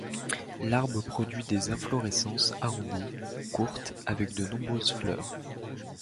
L’arbre produit des inflorescences arrondies, courtes, avec de nombreuses fleurs.